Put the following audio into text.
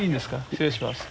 失礼します。